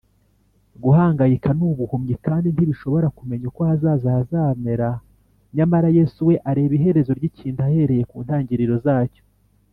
guhangayika ni ubuhumyi kandi ntibishobora kumenya uko ahazaza hazamera, nyamara yesu we areba iherezo ry’ikintu ahereye ku ntangiriro zacyo